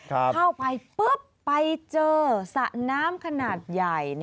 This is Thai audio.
เข้าไปปุ๊บไปเจอสระน้ำขนาดใหญ่